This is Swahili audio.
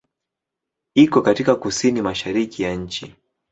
Iko katika kusini-mashariki ya nchi.